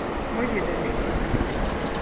Мы ведаем, што рабіць.